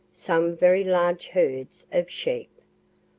Some very large herds of sheep.